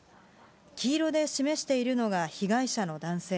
黄色で示しているのが被害者の男性。